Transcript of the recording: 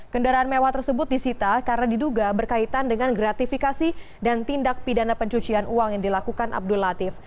kendaraan mewah tersebut disita karena diduga berkaitan dengan gratifikasi dan tindak pidana pencucian uang yang dilakukan abdul latif